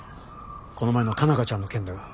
この前の佳奈花ちゃんの件だが。